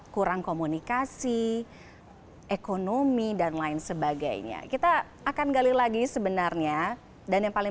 kurang komunikasi ekonomi dan lain sebagainya kita akan gali lagi sebenarnya dan yang paling